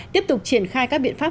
tiếp tục triển khai các biện pháp